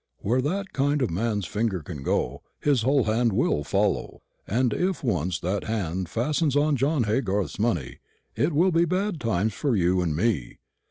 Where that kind of man's finger can go, his whole hand will follow; and if once that hand fastens on John Haygarth's money, it'll be bad times for you and me.